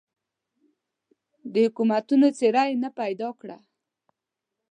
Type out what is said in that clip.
د حکومتونو څېره یې نه پیدا کړه.